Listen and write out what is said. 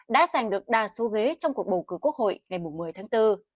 đã giành được đa số ghế trong cuộc bầu cử quốc hội ngày một mươi tháng bốn